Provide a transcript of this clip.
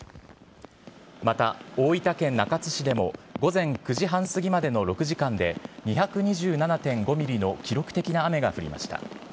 また大分県中津市でも、午前９時半過ぎまでの６時間で、２２７．５ミリの記録的な雨が降りました。